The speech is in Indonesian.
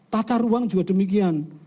tata ruang juga demikian